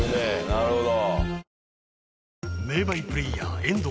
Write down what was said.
なるほど。